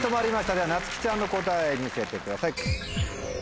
ではなつきちゃんの答え見せてください。